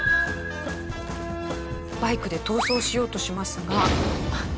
バイクで逃走しようとしますが。